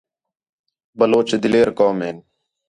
بلوچ دلیر قوم ہین